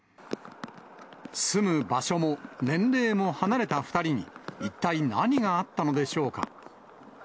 住む場所も年齢も離れた２人に、一体何があったのでしょうか。